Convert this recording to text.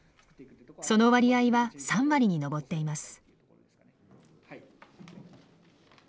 その割合は３割に上っています。